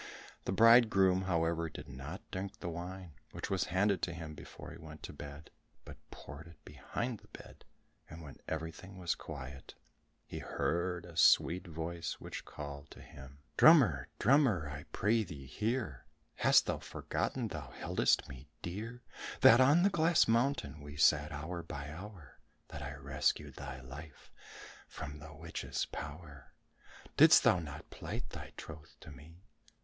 The bridegroom, however, did not drink the wine which was handed to him before he went to bed, but poured it behind the bed, and when everything was quiet, he heard a sweet voice which called to him, "Drummer, drummer, I pray thee hear! Hast thou forgotten thou held me dear? That on the glass mountain we sat hour by hour? That I rescued thy life from the witch's power? Didst thou not plight thy troth to me?